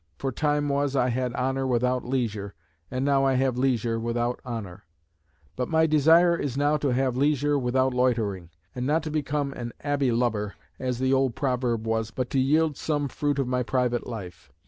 For time was, I had Honour without Leisure; and now I have Leisure without Honour.... But my desire is now to have Leisure without Loitering, and not to become an abbey lubber, as the old proverb was, but to yield some fruit of my private life....